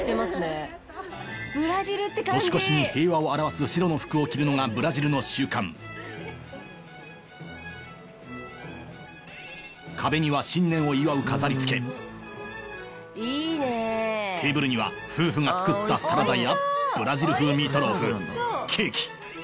年越しに平和を表す白の服を着るのがブラジルの習慣壁には新年を祝う飾り付けテーブルには夫婦が作ったサラダやブラジル風ミートローフケーキ